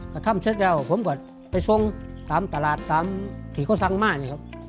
กะทำเสร็จแล้วผมก็ไปชงตามตลาดตามที่เขาสร้างมาก